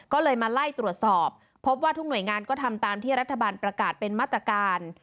ก็เลยมาไล่ตรวจสอบพบว่าทุกหน่วยงานก็ทำตามที่รัฐบาลประกาศเป็นมาตรการ